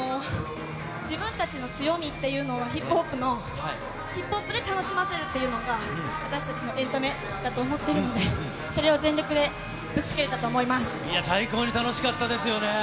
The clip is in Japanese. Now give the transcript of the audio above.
自分たちの強みっていうのは、ヒップホップの、ヒップホップで楽しませるっていうのが、私たちのエンタメだと思っているので、それを全力でぶつけれたと思いまいや、最高に楽しかったです